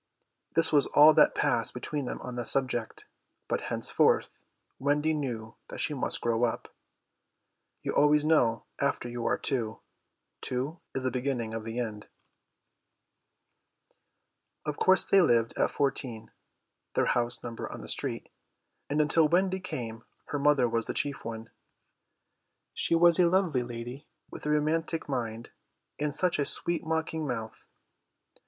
This was all that passed between them on the subject, but henceforth Wendy knew that she must grow up. You always know after you are two. Two is the beginning of the end. Of course they lived at 14, and until Wendy came her mother was the chief one. She was a lovely lady, with a romantic mind and such a sweet mocking mouth.